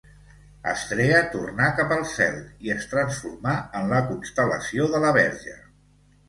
Astrea tornà cap al cel i es transformà en la constel·lació de la Verge.